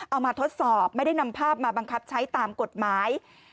มาทดสอบไม่ได้นำภาพมาบังคับใช้ตามกฎหมาย